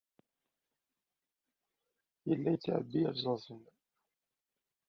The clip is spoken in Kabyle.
Yella yettɛebbi alzazen.